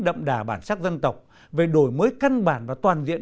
đậm đà bản sắc dân tộc về đổi mới căn bản và toàn diện